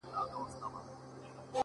راسه چي الهام مي د زړه ور مات كـړ؛